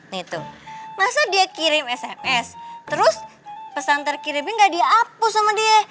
nih tuh masa dia kirim sms terus pesan terkirimnya gak dihapus sama dia